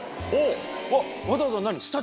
わざわざ何。